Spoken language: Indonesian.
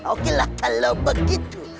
oke lah kalau begitu